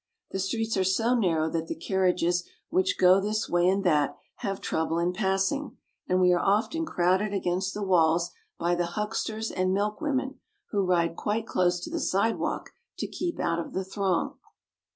The streets are so narrow that the carriages which go this way and that have trouble in passing, and we are often crowded against the walls by the hucksters and milk women, who ride quite close to the sidewalk to keep out of the throng.